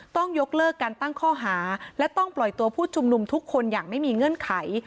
ต้องยกเลิกการตั้งข้อหาและต้องปล่อยตัวผู้ชุมนุมทุกคนอย่างไม่มีเงื่อนไข